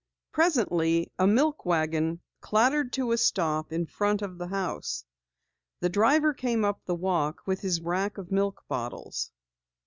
Presently a milk wagon clattered to a stop in front of the house. The driver came up the walk with his rack of milk bottles.